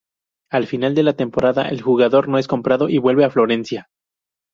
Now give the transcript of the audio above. Al final de la temporada, el jugador no es comprado, y vuelve a Florencia.